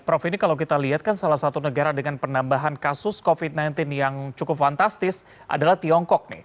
prof ini kalau kita lihat kan salah satu negara dengan penambahan kasus covid sembilan belas yang cukup fantastis adalah tiongkok nih